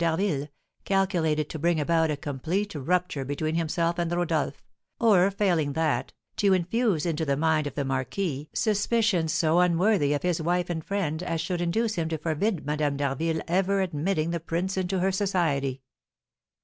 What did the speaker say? d'Harville, calculated to bring about a complete rupture between himself and Rodolph; or, failing that, to infuse into the mind of the marquis suspicions so unworthy of his wife and friend as should induce him to forbid Madame d'Harville ever admitting the prince into her society.